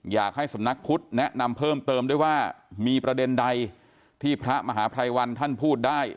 อยากให้สำนักพุทธแนะนำเพิ่มเติมด้วยว่ามีประเด็นใดที่พระมหาภัยวันท่านพูดได้